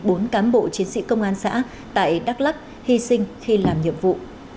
bốn cán bộ chiến sĩ công an xã tại đắk lắc hy sinh khi làm nhiệm vụ